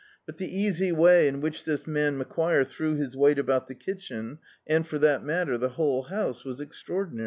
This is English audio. But the easy way in which this man Macquire threw his wei^t about the kitchen and, for that matter, the whole house was extraordinary.